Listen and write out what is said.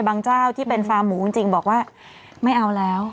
เจ้าที่เป็นฟาร์หมูจริงบอกว่าไม่เอาแล้ว